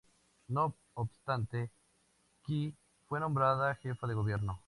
No obstante Kyi fue nombrada jefa de gobierno.